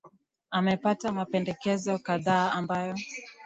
amepata mapendekezo kadhaa ambayo